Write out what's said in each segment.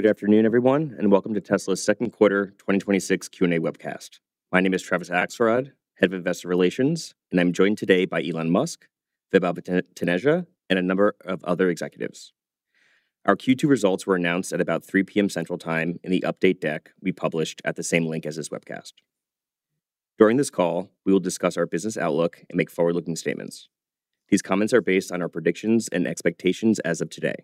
Good afternoon, everyone, and welcome to Tesla's Q2 2026 Q&A webcast. My name is Travis Axelrod, Head of Investor Relations, and I'm joined today by Elon Musk, Vaibhav Taneja, and a number of other executives. Our Q2 results were announced at about 3:00 P.M. Central Time in the update deck we published at the same link as this webcast. During this call, we will discuss our business outlook and make forward-looking statements. These comments are based on our predictions and expectations as of today.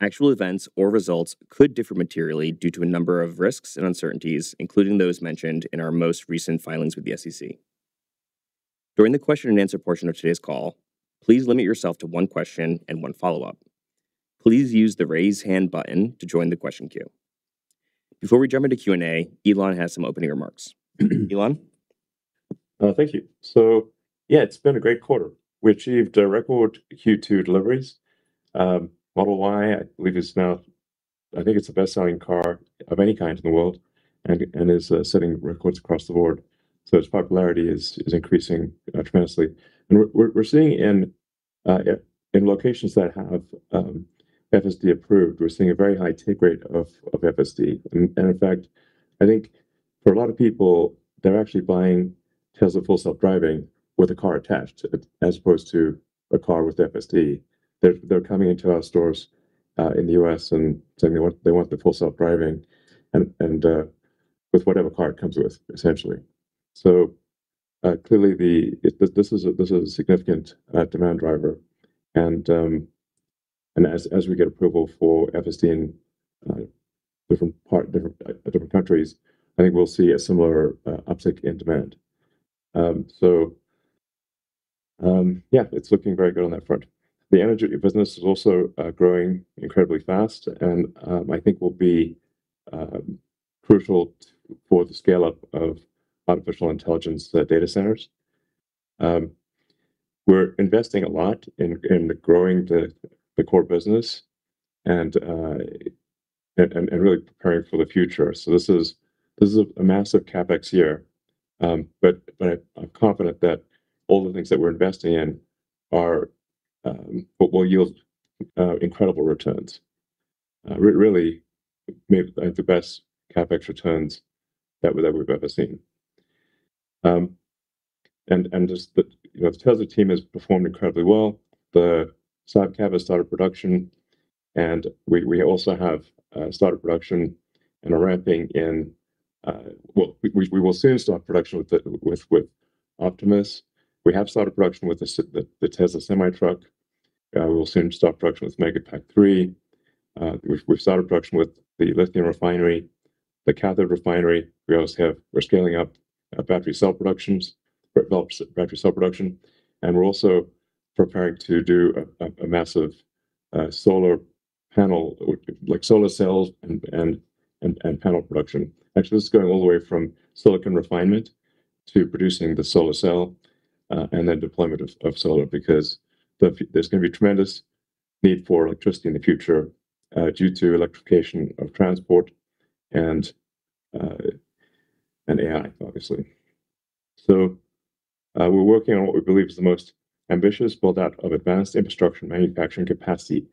Actual events or results could differ materially due to a number of risks and uncertainties, including those mentioned in our most recent filings with the SEC. During the question and answer portion of today's call, please limit yourself to one question and one follow-up. Please use the raise hand button to join the question queue. Before we jump into Q&A, Elon has some opening remarks. Elon? Thank you. Yeah, it's been a great quarter. We achieved record Q2 deliveries. Model Y, I think it's the best-selling car of any kind in the world and is setting records across the board. Its popularity is increasing tremendously. We're seeing in locations that have FSD approved, we're seeing a very high take rate of FSD. In fact, I think for a lot of people, they're actually buying Tesla Full Self-Driving with a car attached, as opposed to a car with FSD. They're coming into our stores in the U.S. and telling me they want the Full Self-Driving and with whatever car it comes with, essentially. Clearly this is a significant demand driver and as we get approval for FSD in different countries, I think we'll see a similar uptick in demand. Yeah, it's looking very good on that front. The energy business is also growing incredibly fast and, I think will be crucial for the scale-up of artificial intelligence data centers. We're investing a lot in growing the core business and really preparing for the future. This is a massive CapEx year. I'm confident that all the things that we're investing in will yield incredible returns. Really, maybe the best CapEx returns that we've ever seen. Just the Tesla team has performed incredibly well. The Cybertruck has started production, and we also have started production. Well, we will soon start production with Optimus. We have started production with the Tesla Semi truck. We will soon start production with Megapack 3. We've started production with the lithium refinery, the cathode refinery. We're scaling up battery cell production. We're also preparing to do a massive solar panel, like solar cells and panel production. Actually, this is going all the way from silicon refinement to producing the solar cell, and then deployment of solar. There's going to be tremendous need for electricity in the future due to electrification of transport and AI, obviously. We're working on what we believe is the most ambitious build-out of advanced infrastructure and manufacturing capacity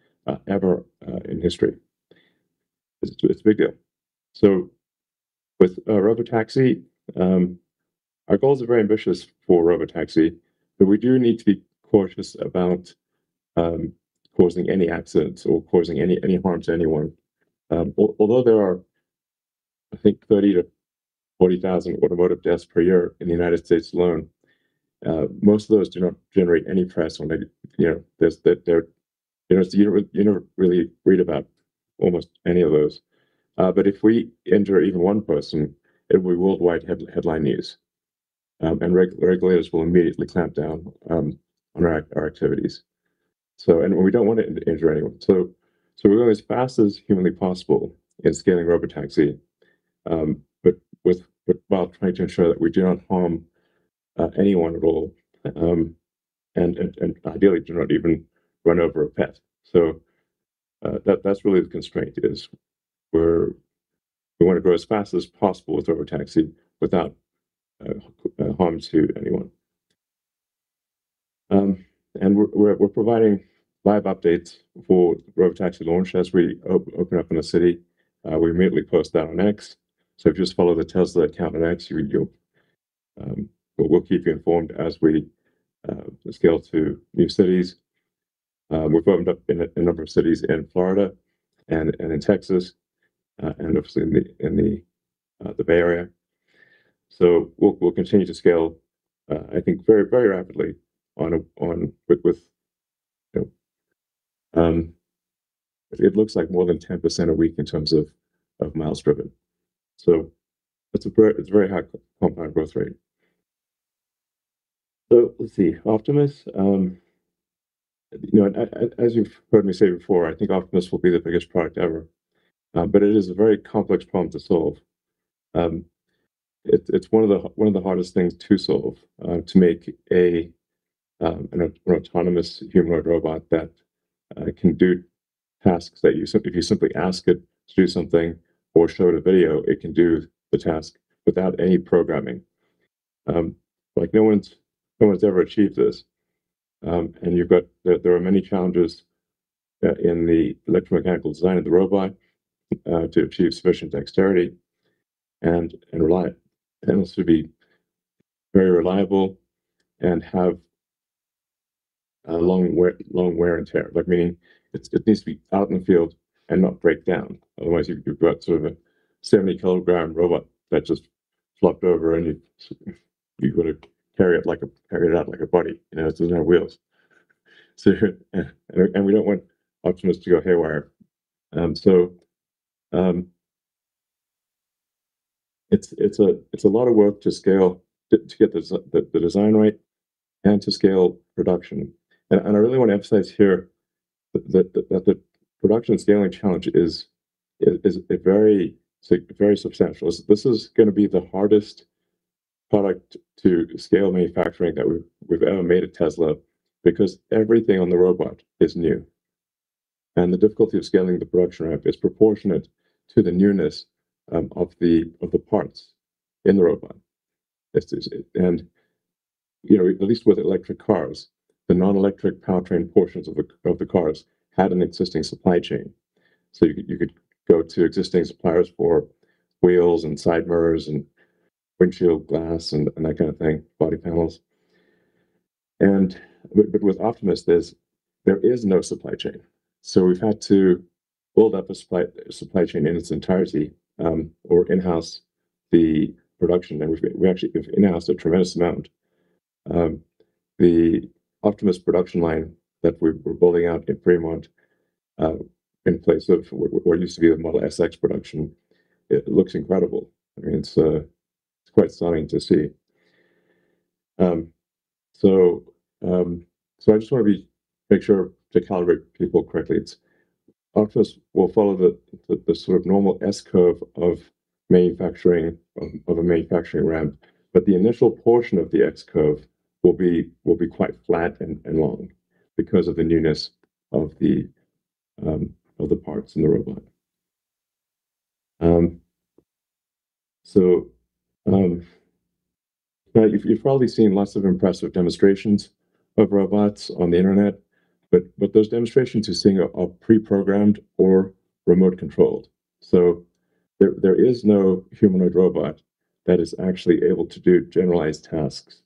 ever in history. It's a big deal. With Robotaxi, our goals are very ambitious for Robotaxi, but we do need to be cautious about causing any accidents or causing any harm to anyone. Although there are, I think, 30,000 - 40,000 automotive deaths per year in the U.S. alone, most of those do not generate any press or maybe, you never really read about almost any of those. If we injure even one person, it'll be worldwide headline news, and regulators will immediately clamp down on our activities. We don't want to injure anyone. We're going as fast as humanly possible in scaling Robotaxi, but while trying to ensure that we do not harm anyone at all, and ideally do not even run over a pet. That's really the constraint is we want to grow as fast as possible with Robotaxi without harm to anyone. We're providing live updates for Robotaxi launch as we open up in the city. We immediately post that on X. If you just follow the Tesla account on X, but we'll keep you informed as we scale to new cities. We've opened up in a number of cities in Florida and in Texas, obviously in the Bay Area. We'll continue to scale, I think, very rapidly with more than 10% a week in terms of miles driven. It's a very high compound growth rate. Let's see, Optimus. As you've heard me say before, I think Optimus will be the biggest product ever. It is a very complex problem to solve. It's one of the hardest things to solve, to make an autonomous humanoid robot that can do tasks that if you simply ask it to do something or show it a video, it can do the task without any programming. No one's ever achieved this. There are many challenges in the electromechanical design of the robot to achieve sufficient dexterity, also to be very reliable and have long wear and tear. Meaning, it needs to be out in the field and not break down. Otherwise, you've got a 70-kg robot that just flopped over and you've got to carry it out like a body. It doesn't have wheels. We don't want Optimus to go haywire. It's a lot of work to scale, to get the design right, and to scale production. I really want to emphasize here that the production scaling challenge is very substantial. This is going to be the hardest product to scale manufacturing that we've ever made at Tesla, because everything on the robot is new. The difficulty of scaling the production ramp is proportionate to the newness of the parts in the robot. At least with electric cars, the non-electric powertrain portions of the cars had an existing supply chain. You could go to existing suppliers for wheels and side mirrors and windshield glass and that kind of thing, body panels. With Optimus, there is no supply chain. We've had to build up a supply chain in its entirety, or in-house the production. We actually have in-housed a tremendous amount. The Optimus production line that we're building out in Fremont, in place of what used to be the Model S, X production, it looks incredible. It's quite stunning to see. I just want to make sure to calibrate people correctly. Optimus will follow the normal S-curve of a manufacturing ramp, but the initial portion of the S-curve will be quite flat and long because of the newness of the parts in the robot. You've probably seen lots of impressive demonstrations of robots on the internet, but those demonstrations you're seeing are pre-programmed or remote controlled. There is no humanoid robot that is actually able to do generalized tasks.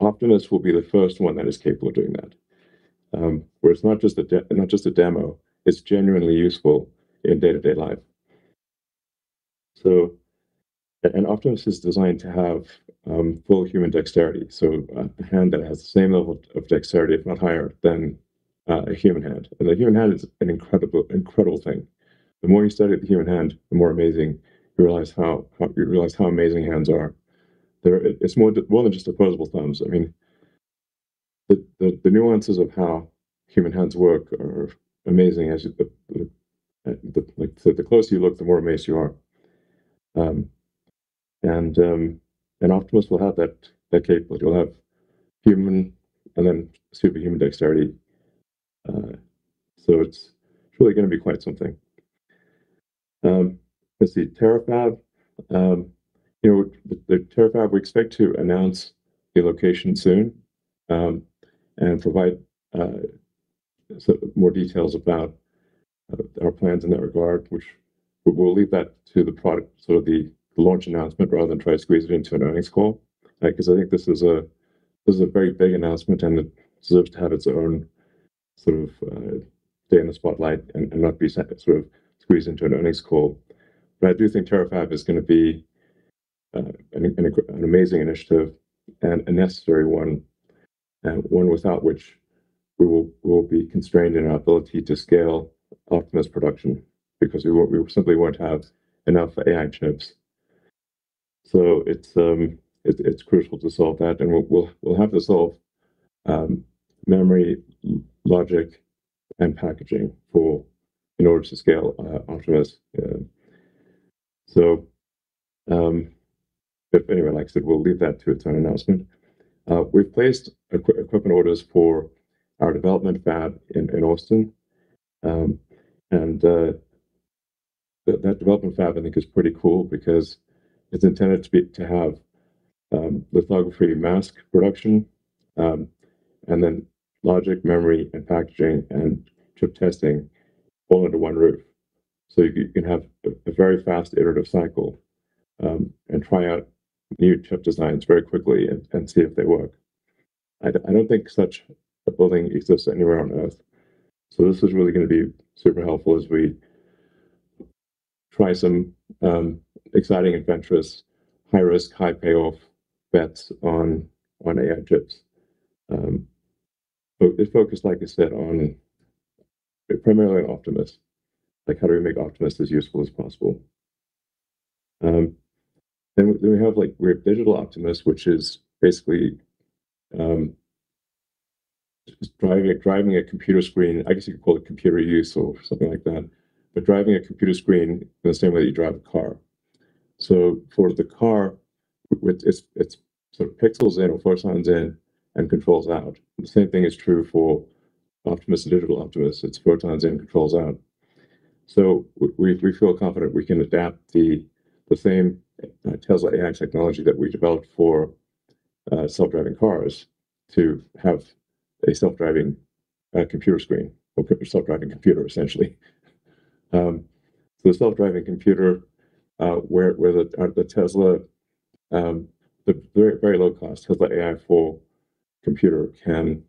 Optimus will be the first one that is capable of doing that, where it's not just a demo, it's genuinely useful in day-to-day life. An Optimus is designed to have full human dexterity. A hand that has the same level of dexterity, if not higher, than a human hand. The human hand is an incredible thing. The more you study the human hand, the more you realize how amazing hands are. It's more than just opposable thumbs. The nuances of how human hands work are amazing. The closer you look, the more amazed you are. Optimus will have that capability. It will have human and then superhuman dexterity. It's really going to be quite something. Let's see, Terafab. The Terafab, we expect to announce a location soon, and provide more details about our plans in that regard. We'll leave that to the product, the launch announcement rather than try to squeeze it into an earnings call. I think this is a very big announcement and it deserves to have its own day in the spotlight and not be squeezed into an earnings call. I do think Terafab is going to be an amazing initiative and a necessary one, and one without which we will be constrained in our ability to scale Optimus production, because we simply won't have enough AI chips. It's crucial to solve that, and we'll have to solve memory, logic, and packaging in order to scale Optimus. If anyone likes it, we'll leave that to its own announcement. We've placed equipment orders for our development fab in Austin. That development fab, I think, is pretty cool because it's intended to have lithography mask production, and then logic, memory and packaging and chip testing all under one roof. You can have a very fast iterative cycle, and try out new chip designs very quickly and see if they work. I don't think such a building exists anywhere on Earth. This is really going to be super helpful as we try some exciting, adventurous, high-risk, high-payoff bets on AI chips. It's focused, like I said, primarily on Optimus, like how do we make Optimus as useful as possible. We have Digital Optimus, which is basically driving a computer screen, I guess you could call it computer use or something like that, but driving a computer screen in the same way you drive a car. For the car, it's pixels in or photons in and controls out. The same thing is true for Optimus and Digital Optimus. It's photons in, controls out. We feel confident we can adapt the same Tesla AI technology that we developed for self-driving cars to have a self-driving computer screen or self-driving computer, essentially. The self-driving computer, where the very low cost, Tesla AI computer can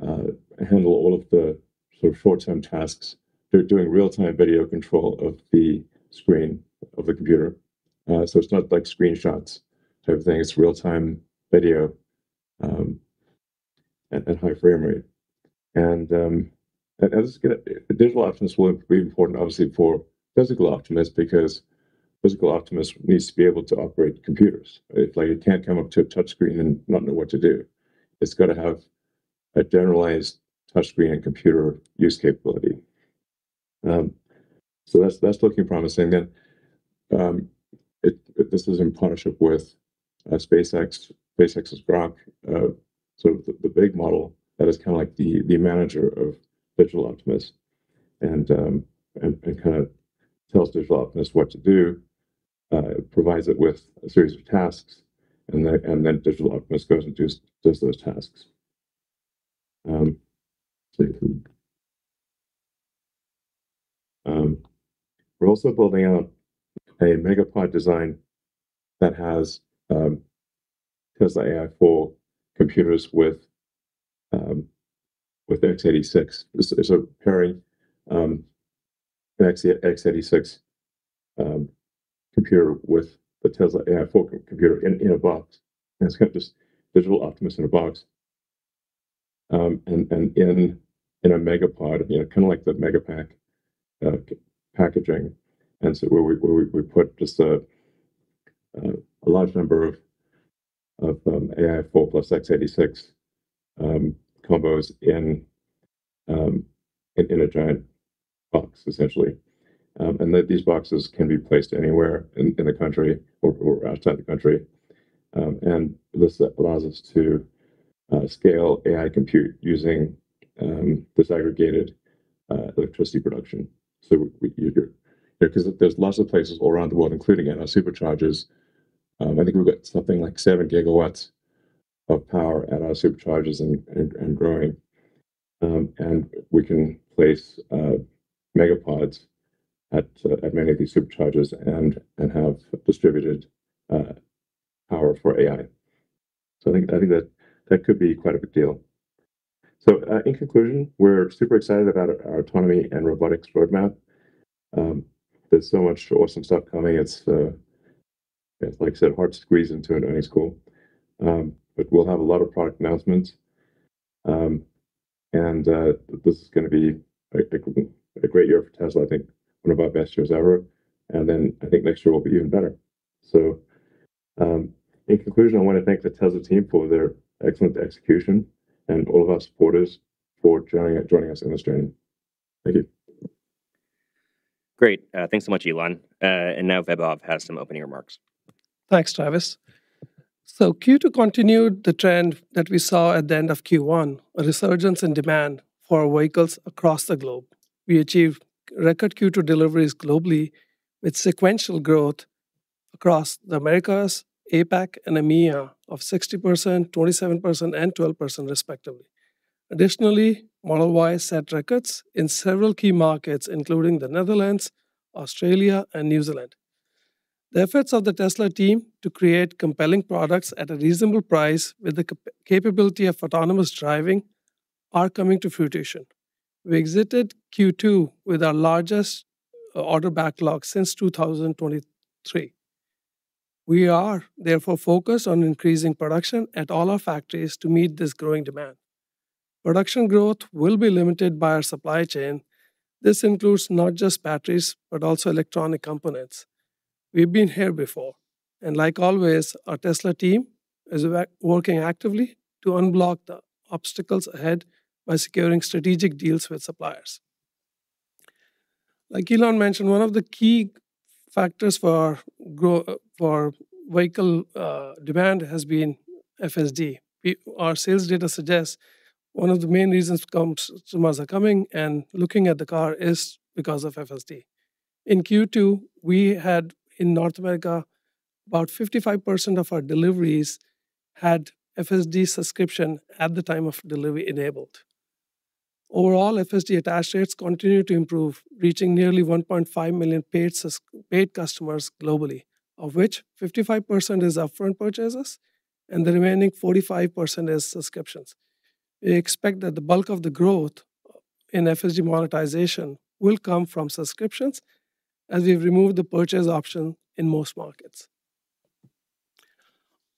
handle all of the sort of real-time tasks. They're doing real-time video control of the screen of the computer. It's not like screenshots type of thing, it's real-time video, at high frame rate. Digital Optimus will be important, obviously, for physical Optimus because physical Optimus needs to be able to operate computers. It can't come up to a touch screen and not know what to do. It's got to have a generalized touch screen and computer use capability. That's looking promising and this is in partnership with SpaceX. SpaceX's Grok, sort of the big model that is the manager of Digital Optimus and tells Digital Optimus what to do, provides it with a series of tasks, then Digital Optimus goes and does those tasks. We're also building out a Megapod design that has Tesla AI computer with x86. It's a pairing, an x86 computer with a Tesla AI computer in a box, and it's got this Digital Optimus in a box, and in a Megapod, kind of like the Megapack packaging. Where we put just a large number of AI full plus x86 combos in a giant box, essentially. These boxes can be placed anywhere in the country or outside the country. This allows us to scale AI compute using disaggregated electricity production. Because there's lots of places all around the world, including at our Superchargers. I think we've got something like seven gigawatts of power at our Superchargers and growing. We can place Megapods at many of these Superchargers and have distributed power for AI. I think that could be quite a big deal. In conclusion, we're super excited about our autonomy and robotics roadmap. There's so much awesome stuff coming. It's, like I said, hard to squeeze into an earnings call. We'll have a lot of product announcements. This is going to be a great year for Tesla, I think one of our best years ever. Then I think next year will be even better. In conclusion, I want to thank the Tesla team for their excellent execution and all of our supporters for joining us on this journey. Thank you. Great. Thanks so much, Elon. Now Vaibhav has some opening remarks. Thanks, Travis. Q2 continued the trend that we saw at the end of Q1, a resurgence in demand for our vehicles across the globe. We achieved record Q2 deliveries globally with sequential growth across the Americas, APAC and EMEA of 60%, 27% and 12% respectively. Additionally, Model Y set records in several key markets, including the Netherlands, Australia and New Zealand. The efforts of the Tesla team to create compelling products at a reasonable price with the capability of autonomous driving are coming to fruition. We exited Q2 with our largest order backlog since 2023. We are therefore focused on increasing production at all our factories to meet this growing demand. Production growth will be limited by our supply chain. This includes not just batteries, but also electronic components. Like always, our Tesla team is working actively to unblock the obstacles ahead by securing strategic deals with suppliers. Like Elon mentioned, one of the key factors for our vehicle demand has been FSD. Our sales data suggests one of the main reasons customers are coming and looking at the car is because of FSD. In Q2, we had, in North America, about 55% of our deliveries had FSD subscription at the time of delivery enabled. Overall, FSD attach rates continue to improve, reaching nearly 1.5 million paid customers globally, of which 55% is upfront purchases and the remaining 45% is subscriptions. We expect that the bulk of the growth in FSD monetization will come from subscriptions as we've removed the purchase option in most markets.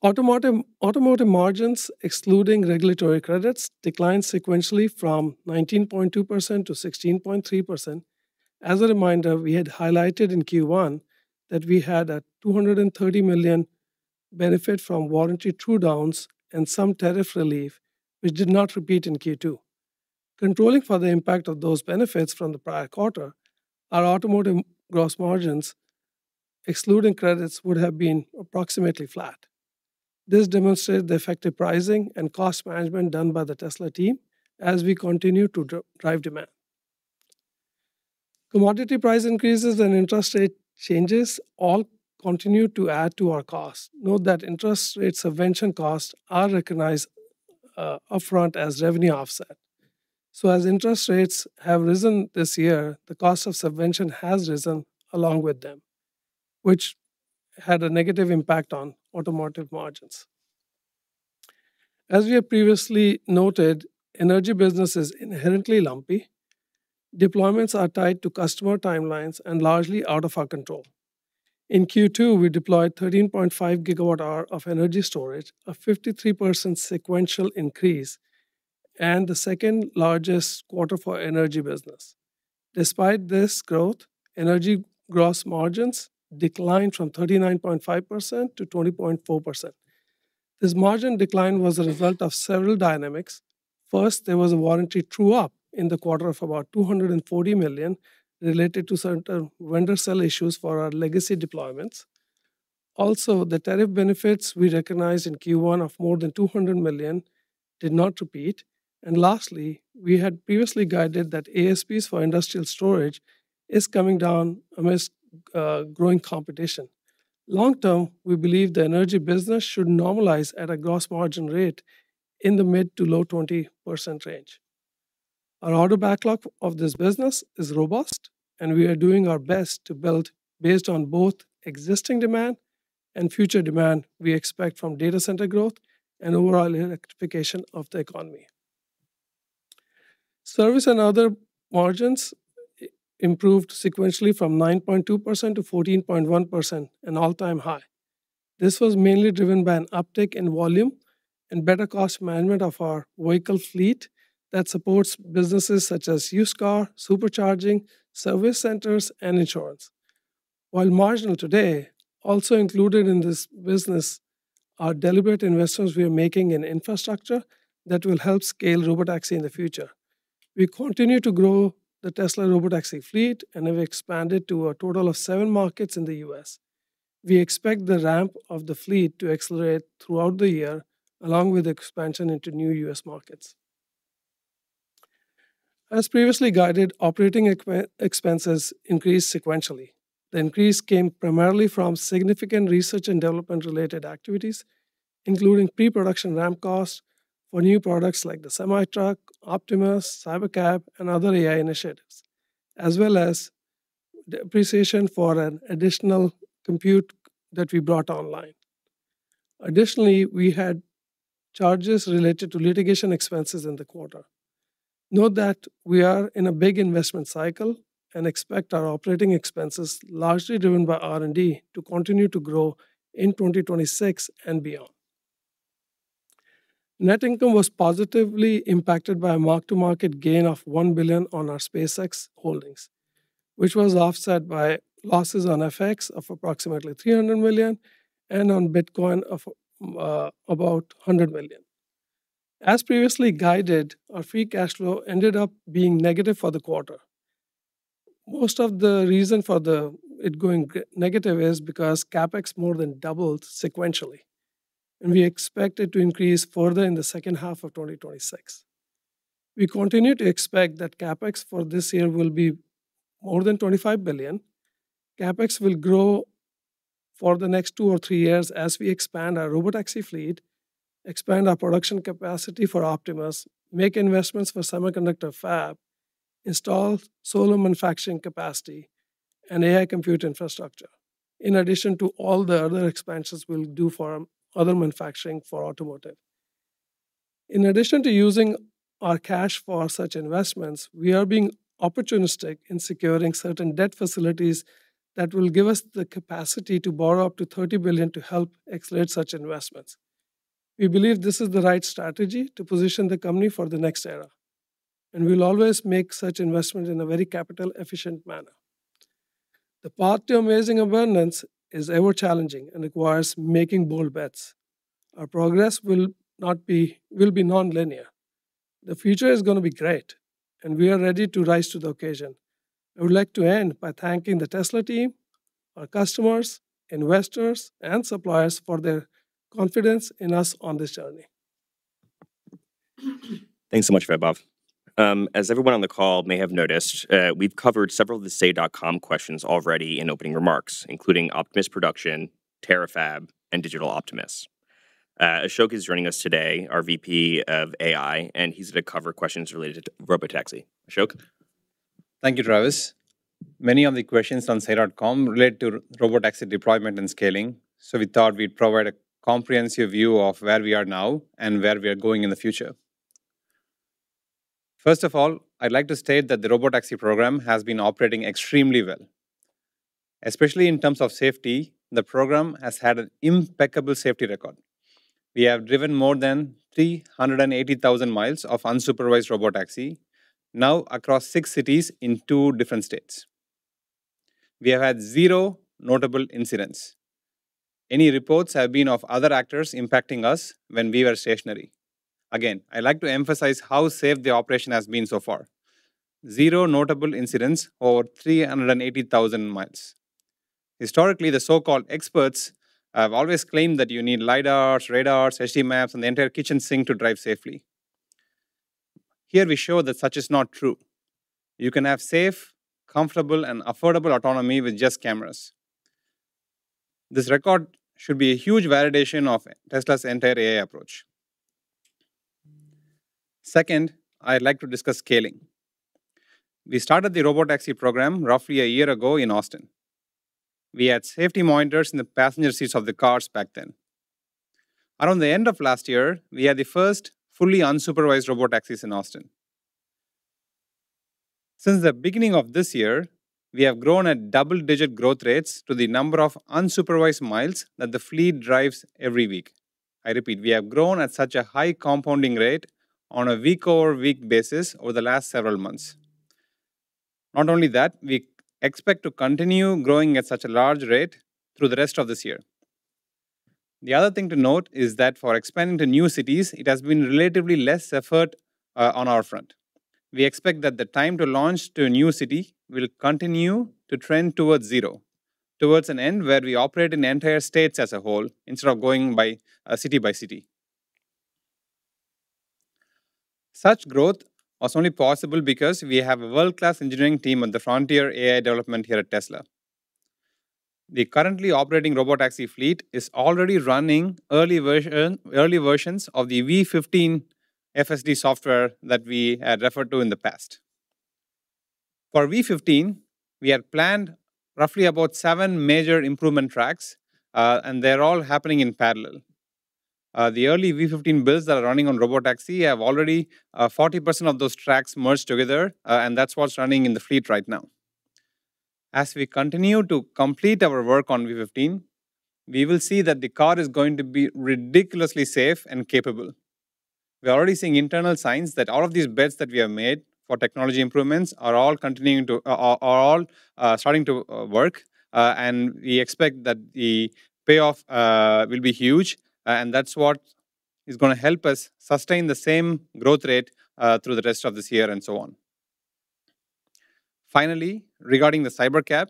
Automotive margins, excluding regulatory credits, declined sequentially from 19.2% to 16.3%. As a reminder, we had highlighted in Q1 that we had a $230 million benefit from warranty true-downs and some tariff relief, which did not repeat in Q2. Controlling for the impact of those benefits from the prior quarter, our automotive gross margins, excluding credits, would have been approximately flat. This demonstrates the effective pricing and cost management done by the Tesla team as we continue to drive demand. Commodity price increases and interest rate changes all continue to add to our costs. Note that interest rate subvention costs are recognized upfront as revenue offset. As interest rates have risen this year, the cost of subvention has risen along with them, which had a negative impact on automotive margins. As we have previously noted, energy business is inherently lumpy. Deployments are tied to customer timelines and largely out of our control. In Q2, we deployed 13.5 GWh of energy storage, a 53% sequential increase, and the second-largest quarter for energy business. Despite this growth, energy gross margins declined from 39.5% to 20.4%. This margin decline was a result of several dynamics. First, there was a warranty true-up in the quarter of about $240 million related to certain vendor cell issues for our legacy deployments. Also, the tariff benefits we recognized in Q1 of more than $200 million did not repeat. Lastly, we had previously guided that ASPs for industrial storage is coming down amidst growing competition. Long term, we believe the energy business should normalize at a gross margin rate in the mid to low 20% range. Our order backlog of this business is robust, we are doing our best to build based on both existing demand and future demand we expect from data center growth and overall electrification of the economy. Service and other margins improved sequentially from 9.2% to 14.1%, an all-time high. This was mainly driven by an uptick in volume and better cost management of our vehicle fleet that supports businesses such as used car, Supercharging, service centers, and insurance. While marginal today, also included in this business are deliberate investments we are making in infrastructure that will help scale Robotaxi in the future. We continue to grow the Tesla Robotaxi fleet and have expanded to a total of seven markets in the U.S. We expect the ramp of the fleet to accelerate throughout the year, along with expansion into new U.S. markets. As previously guided, operating expenses increased sequentially. The increase came primarily from significant R&D-related activities, including pre-production ramp costs for new products like the Tesla Semi, Optimus, Cybercab, and other AI initiatives, as well as the appreciation for an additional compute that we brought online. Additionally, we had charges related to litigation expenses in the quarter. Note that we are in a big investment cycle and expect our operating expenses, largely driven by R&D, to continue to grow in 2026 and beyond. Net income was positively impacted by a mark-to-market gain of $1 billion on our SpaceX holdings, which was offset by losses on FX of approximately $300 million and on Bitcoin of about $100 million. As previously guided, our free cash flow ended up being negative for the quarter. Most of the reason for it going negative is because CapEx more than doubled sequentially. We expect it to increase further in the second half of 2026. We continue to expect that CapEx for this year will be more than $25 billion. CapEx will grow for the next two or three years as we expand our Robotaxi fleet, expand our production capacity for Optimus, make investments for semiconductor fab, install solar manufacturing capacity, and AI compute infrastructure, in addition to all the other expansions we'll do for other manufacturing for automotive. In addition to using our cash for such investments, we are being opportunistic in securing certain debt facilities that will give us the capacity to borrow up to $30 billion to help accelerate such investments. We believe this is the right strategy to position the company for the next era. We'll always make such investments in a very capital-efficient manner. The path to amazing abundance is ever challenging and requires making bold bets. Our progress will be non-linear. The future is going to be great. We are ready to rise to the occasion. I would like to end by thanking the Tesla team, our customers, investors, and suppliers for their confidence in us on this journey. Thanks so much, Vaibhav. As everyone on the call may have noticed, we've covered several of the say.com questions already in opening remarks, including Optimus production, Terafab, and Digital Optimus. Ashok is joining us today, our VP of AI. He's going to cover questions related to Robotaxi. Ashok? Thank you, Travis. Many of the questions on say.com relate to Robotaxi deployment and scaling, so we thought we'd provide a comprehensive view of where we are now and where we are going in the future. First of all, I'd like to state that the Robotaxi program has been operating extremely well. Especially in terms of safety, the program has had an impeccable safety record. We have driven more than 380,000 miles of unsupervised Robotaxi, now across six cities in two different states. We have had zero notable incidents. Any reports have been of other actors impacting us when we were stationary. I like to emphasize how safe the operation has been so far. Zero notable incidents over 380,000 miles. Historically, the so-called experts have always claimed that you need LiDARs, radars, HD maps, and the entire kitchen sink to drive safely. Here we show that such is not true. You can have safe, comfortable, and affordable autonomy with just cameras. This record should be a huge validation of Tesla's entire AI approach. Second, I'd like to discuss scaling. We started the Robotaxi program roughly a year ago in Austin. We had safety monitors in the passenger seats of the cars back then. Around the end of last year, we had the first fully unsupervised Robotaxis in Austin. Since the beginning of this year, we have grown at double-digit growth rates to the number of unsupervised miles that the fleet drives every week. I repeat, we have grown at such a high compounding rate on a week-over-week basis over the last several months. Not only that, we expect to continue growing at such a large rate through the rest of this year. The other thing to note is that for expanding to new cities, it has been relatively less effort on our front. We expect that the time to launch to a new city will continue to trend towards zero, towards an end where we operate in entire states as a whole instead of going city by city. Such growth was only possible because we have a world-class engineering team on the frontier AI development here at Tesla. The currently operating Robotaxi fleet is already running early versions of the V15 FSD software that we had referred to in the past. For V15, we had planned roughly about seven major improvement tracks, and they're all happening in parallel. The early V15 builds that are running on Robotaxi have already 40% of those tracks merged together, and that's what's running in the fleet right now. As we continue to complete our work on V15, we will see that the car is going to be ridiculously safe and capable. We are already seeing internal signs that all of these bets that we have made for technology improvements are all starting to work. We expect that the payoff will be huge, and that's what is going to help us sustain the same growth rate through the rest of this year and so on. Finally, regarding the Cybercab,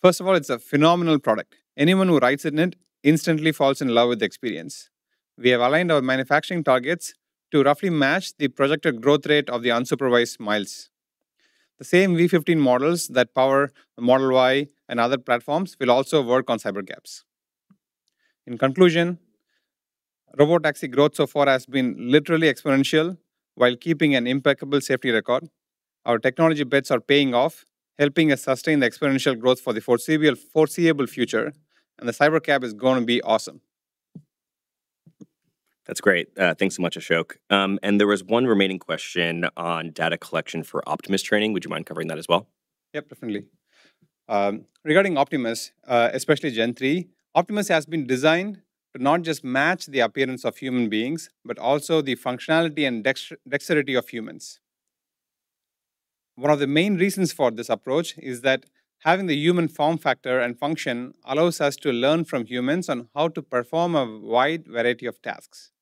first of all, it's a phenomenal product. Anyone who rides in it instantly falls in love with the experience. We have aligned our manufacturing targets to roughly match the projected growth rate of the unsupervised miles. The same V15 models that power the Model Y and other platforms will also work on Cybercabs. In conclusion, Robotaxi growth so far has been literally exponential while keeping an impeccable safety record. Our technology bets are paying off, helping us sustain the exponential growth for the foreseeable future. The Cybercab is going to be awesome. That's great. Thanks so much, Ashok. There was one remaining question on data collection for Optimus training. Would you mind covering that as well? Yeah, definitely. Regarding Optimus, especially Gen 3, Optimus has been designed to not just match the appearance of human beings, but also the functionality and dexterity of humans. One of the main reasons for this approach is that having the human form factor and function allows us to learn from humans on how to perform a wide variety of tasks.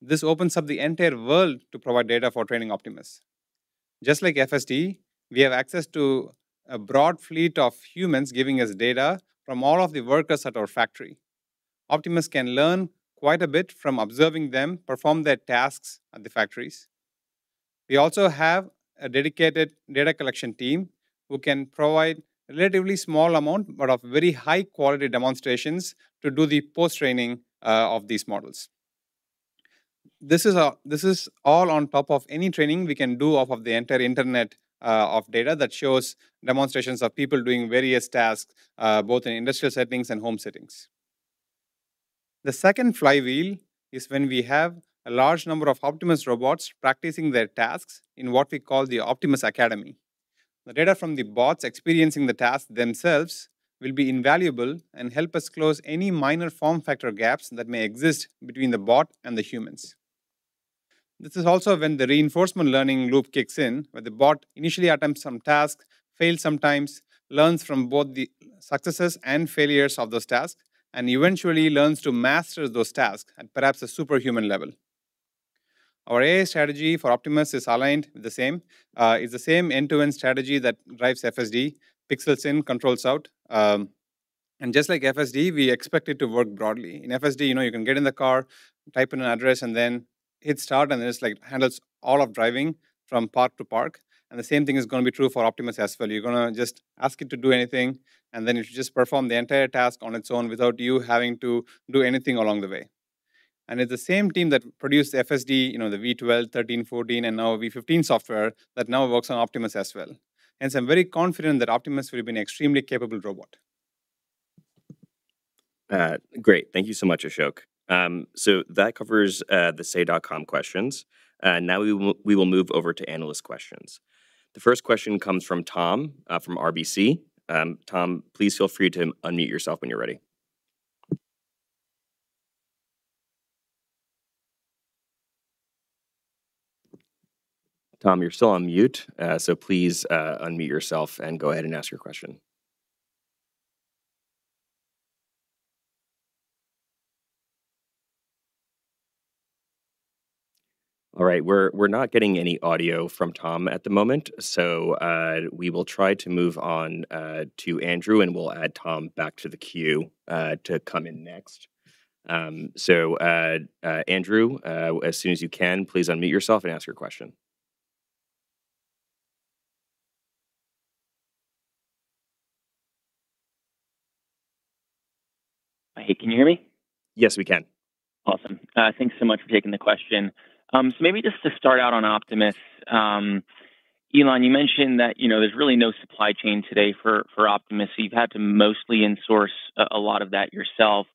This opens up the entire world to provide data for training Optimus. Just like FSD, we have access to a broad fleet of humans giving us data from all of the workers at our factory. Optimus can learn quite a bit from observing them perform their tasks at the factories. We also have a dedicated data collection team who can provide relatively small amount but of very high-quality demonstrations to do the post-training of these models. This is all on top of any training we can do off of the entire internet of data that shows demonstrations of people doing various tasks, both in industrial settings and home settings. The second flywheel is when we have a large number of Optimus robots practicing their tasks in what we call the Optimus Academy. The data from the bots experiencing the task themselves will be invaluable and help us close any minor form factor gaps that may exist between the bot and the humans. This is also when the reinforcement learning loop kicks in, where the bot initially attempts some tasks, fails sometimes, learns from both the successes and failures of those tasks, and eventually learns to master those tasks at perhaps a superhuman level. Our AI strategy for Optimus is aligned the same. It's the same end-to-end strategy that drives FSD, pixels in, controls out. Just like FSD, we expect it to work broadly. In FSD, you can get in the car, type in an address, and then hit start, and it just handles all of driving from park to park. The same thing is going to be true for Optimus as well. You're going to just ask it to do anything, and then it should just perform the entire task on its own without you having to do anything along the way. It's the same team that produced the FSD, the V12, 13, 14, and now V15 software that now works on Optimus as well. Hence, I'm very confident that Optimus will be an extremely capable robot. Great. Thank you so much, Ashok. That covers the say.com questions. Now we will move over to analyst questions. The first question comes from Tom from RBC. Tom, please feel free to unmute yourself when you're ready. Tom, you're still on mute, so please unmute yourself and go ahead and ask your question. All right. We're not getting any audio from Tom at the moment, so we will try to move on to Andrew, and we'll add Tom back to the queue to come in next. Andrew, as soon as you can, please unmute yourself and ask your question. Hey, can you hear me? Yes, we can. Awesome. Thanks so much for taking the question. Maybe just to start out on Optimus. Elon, you mentioned that there's really no supply chain today for Optimus, so you've had to mostly insource a lot of that yourself.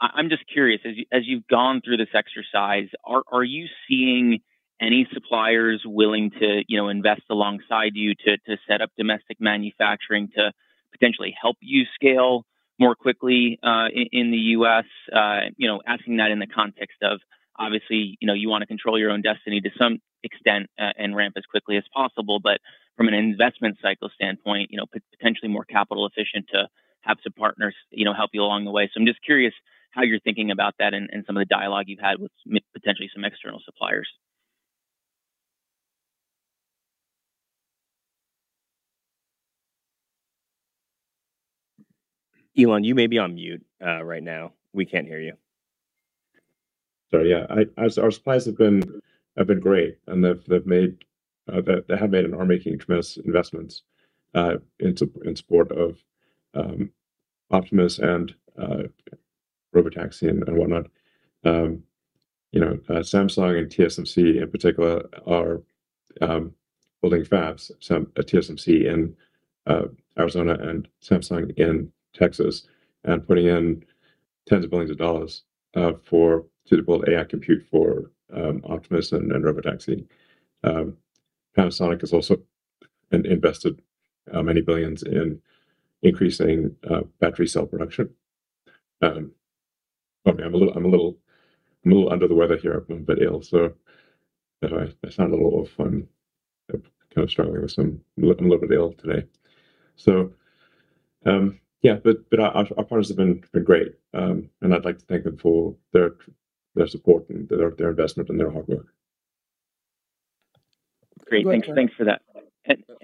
I'm just curious, as you've gone through this exercise, are you seeing any suppliers willing to invest alongside you to set up domestic manufacturing to potentially help you scale more quickly in the U.S.? Asking that in the context of, obviously, you want to control your own destiny to some extent and ramp as quickly as possible. From an investment cycle standpoint, potentially more capital efficient to have some partners help you along the way. I'm just curious how you're thinking about that and some of the dialogue you've had with potentially some external suppliers. Elon, you may be on mute right now. We can't hear you. Sorry. Our suppliers have been great, they have made and are making tremendous investments in support of Optimus and Robotaxi and whatnot. Samsung and TSMC, in particular, are building fabs, TSMC in Arizona and Samsung in Texas, and putting in $ tens of billions to build AI compute for Optimus and Robotaxi. Panasonic has also invested $ many billions in increasing battery cell production. Pardon me, I'm a little under the weather here. I'm a bit ill, so if I sound a little off, I'm a little bit ill today. Our partners have been great. I'd like to thank them for their support and their investment and their hard work. Great. Thanks for that.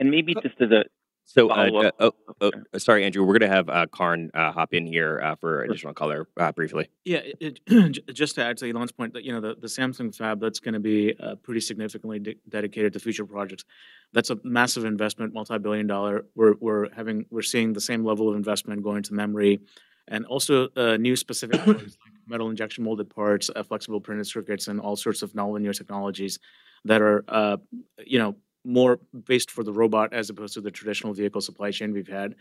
Maybe just as a follow-up. Sorry, Andrew. We're going to have Karn hop in here for additional color briefly. Yeah. Just to add to Elon's point, the Samsung fab, that's going to be pretty significantly dedicated to future projects. That's a massive investment, multi-billion dollar. We're seeing the same level of investment going to memory and also new specific items like metal injection molded parts, flexible printed circuits, and all sorts of nonlinear technologies that are more based for the robot as opposed to the traditional vehicle supply chain we've had.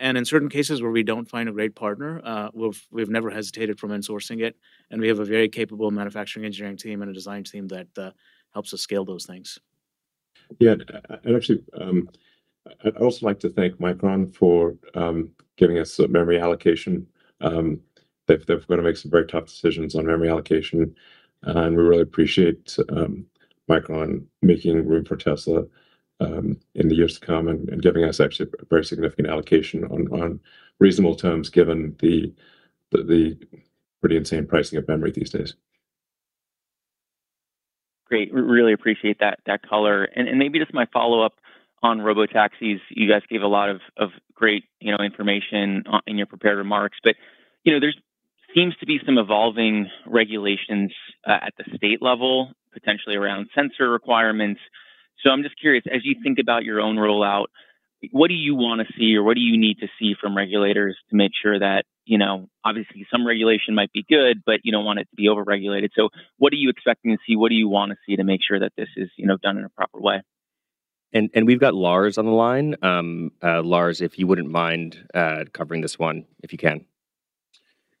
In certain cases where we don't find a great partner, we've never hesitated from insourcing it. We have a very capable manufacturing engineering team and a design team that helps us scale those things. Yeah. I'd actually also like to thank Micron for giving us memory allocation. They've got to make some very tough decisions on memory allocation. We really appreciate Micron making room for Tesla in the years to come and giving us actually a very significant allocation on reasonable terms given the pretty insane pricing of memory these days. Great. Really appreciate that color. Maybe just my follow-up on Robotaxis. You guys gave a lot of great information in your prepared remarks. There seems to be some evolving regulations at the state level, potentially around sensor requirements. I'm just curious, as you think about your own rollout, what do you want to see or what do you need to see from regulators to make sure that obviously, some regulation might be good, but you don't want it to be over-regulated. What are you expecting to see? What do you want to see to make sure that this is done in a proper way? We've got Lars on the line. Lars, if you wouldn't mind covering this one, if you can.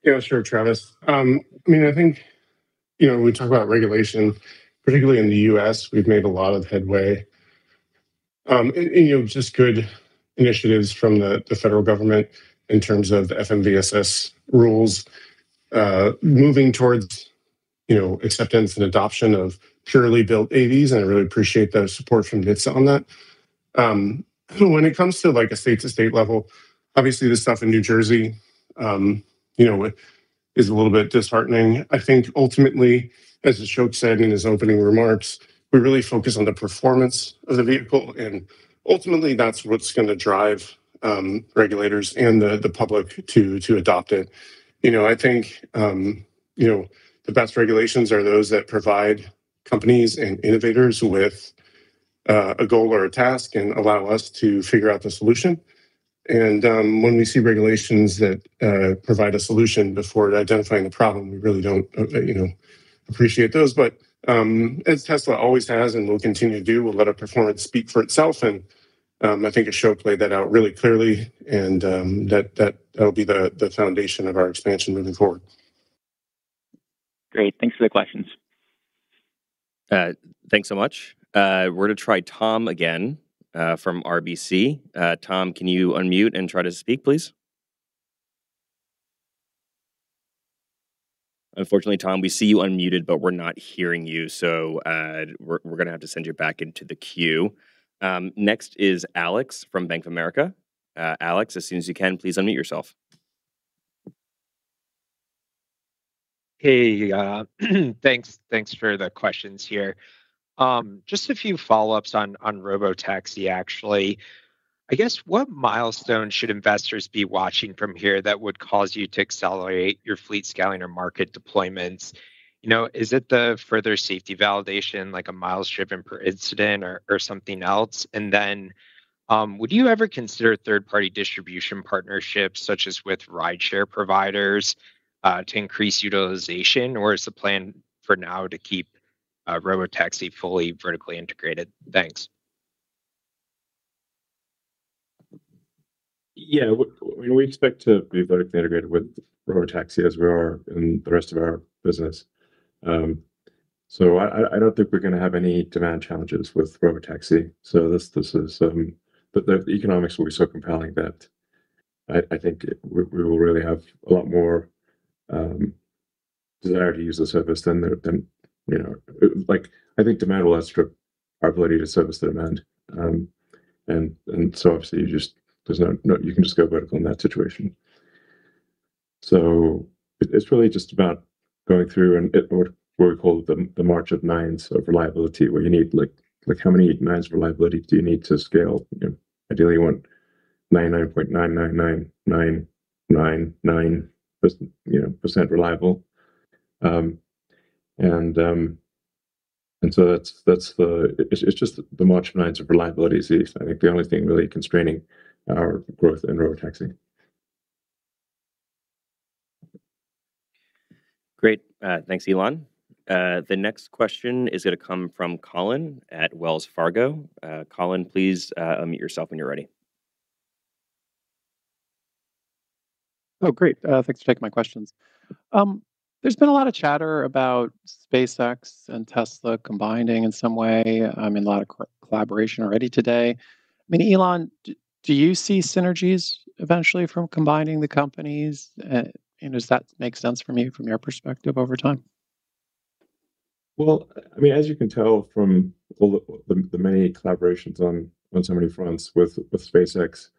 Yeah, sure, Travis. I think when we talk about regulation, particularly in the U.S., we've made a lot of headway. Just good initiatives from the federal government in terms of FMVSS rules, moving towards acceptance and adoption of purely built AVs, and I really appreciate the support from NHTSA on that. When it comes to a state-to-state level, obviously, the stuff in New Jersey is a little bit disheartening. I think ultimately, as Ashok said in his opening remarks, we really focus on the performance of the vehicle, and ultimately, that's what's going to drive regulators and the public to adopt it. I think the best regulations are those that provide companies and innovators with a goal or a task and allow us to figure out the solution. When we see regulations that provide a solution before identifying the problem, we really don't appreciate those. As Tesla always has and will continue to do, we'll let our performance speak for itself, and I think Ashok played that out really clearly, and that'll be the foundation of our expansion moving forward. Great. Thanks for the questions. Thanks so much. We're going to try Tom again from RBC. Tom, can you unmute and try to speak, please? Unfortunately, Tom, we see you unmuted, but we're not hearing you, so we're going to have to send you back into the queue. Next is Alex from Bank of America. Alex, as soon as you can, please unmute yourself. Hey, thanks for the questions here. Just a few follow-ups on Robotaxi, actually. I guess, what milestones should investors be watching from here that would cause you to accelerate your fleet scaling or market deployments? Is it the further safety validation, like a miles driven per incident or something else? Then, would you ever consider third-party distribution partnerships, such as with rideshare providers, to increase utilization? Is the plan for now to keep Robotaxi fully vertically integrated? Thanks. Yeah. We expect to be vertically integrated with Robotaxi as we are in the rest of our business. I don't think we're going to have any demand challenges with Robotaxi. The economics will be so compelling that I think we will really have a lot more desire to use the service than I think demand will outstrip our ability to service the demand. Obviously, you can just go vertical in that situation. It's really just about going through what we call the march of nines of reliability, where you need, how many nines of reliability do you need to scale? Ideally, you want 99.999999% reliable. It's just the march of nines of reliability is, I think, the only thing really constraining our growth in Robotaxi. Great. Thanks, Elon. The next question is going to come from Colin at Wells Fargo. Colin, please unmute yourself when you're ready. Oh, great. Thanks for taking my questions. There's been a lot of chatter about SpaceX and Tesla combining in some way. I mean, a lot of collaboration already today. Elon, do you see synergies eventually from combining the companies? Does that make sense for you from your perspective over time? Well, as you can tell from all the many collaborations on so many fronts with SpaceX,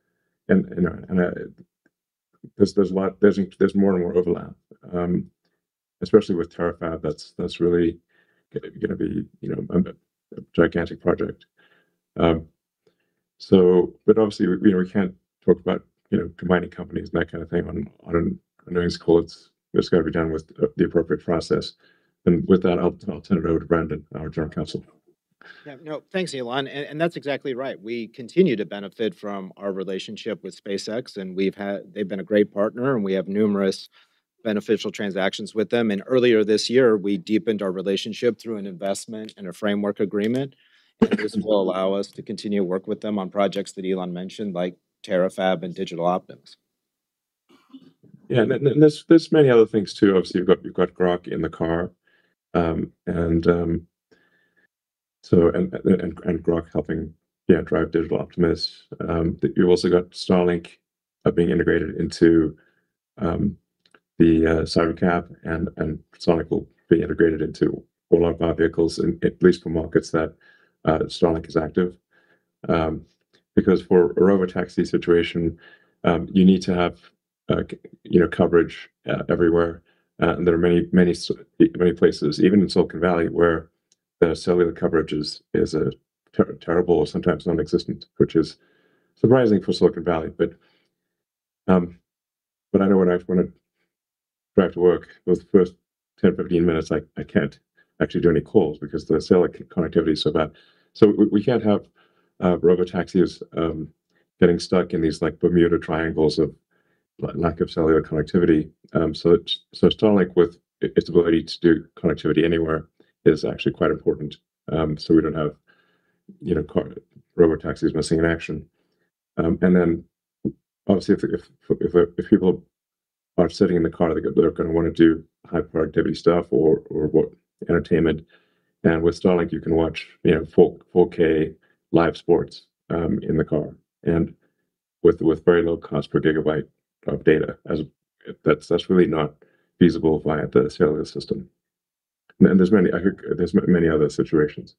there's more and more overlap, especially with Terafab, that's really going to be a gigantic project. Obviously, we can't talk about combining companies and that kind of thing on an earnings call. It's got to be done with the appropriate process. With that, I'll turn it over to Brandon, our General Counsel. Yeah. No, thanks, Elon, that's exactly right. We continue to benefit from our relationship with SpaceX, they've been a great partner, we have numerous beneficial transactions with them. Earlier this year, we deepened our relationship through an investment and a framework agreement. This will allow us to continue to work with them on projects that Elon mentioned, like Terafab and Digital Optimus. Yeah. There's many other things, too. Obviously, you've got Grok in the car. Grok helping drive Digital Optimus. You also got Starlink being integrated into the Cybercab, Starlink will be integrated into all our car vehicles, at least for markets that Starlink is active. Because for a Robotaxi situation, you need to have coverage everywhere. There are many places, even in Silicon Valley, where the cellular coverage is terrible or sometimes non-existent, which is surprising for Silicon Valley. I know when I drive to work, those first 10, 15 minutes, I can't actually do any calls because the cellular connectivity is so bad. We can't have Robotaxis getting stuck in these Bermuda Triangles of lack of cellular connectivity. Starlink with its ability to do connectivity anywhere is actually quite important, so we don't have Robotaxis missing in action. Obviously if people are sitting in the car, they go, "Blip," and want to do high productivity stuff or want entertainment. With Starlink, you can watch 4K live sports in the car and with very low cost per gigabyte of data, as that's really not feasible via the cellular system. There's many other situations.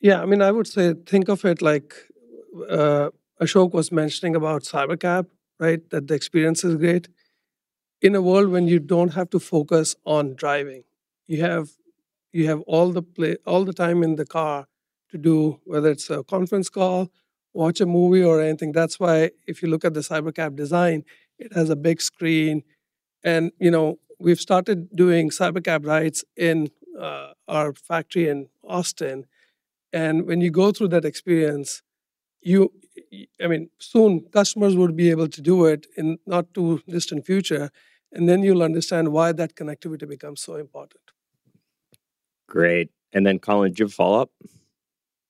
Yeah. I would say, think of it like Ashok was mentioning about Cybercab, right? That the experience is great. In a world when you don't have to focus on driving, you have all the time in the car to do whether it's a conference call, watch a movie, or anything. That's why if you look at the Cybercab design, it has a big screen. We've started doing Cybercab rides in our factory in Austin. When you go through that experience, soon customers will be able to do it in not too distant future, then you'll understand why that connectivity becomes so important. Great. Colin, do you have a follow-up?